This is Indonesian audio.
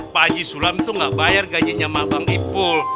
pak ji sulam itu gak bayar gajinya mabang ipul